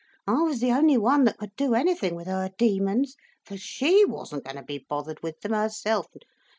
I was the only one that could do anything with her demons—for she wasn't going to be bothered with them herself.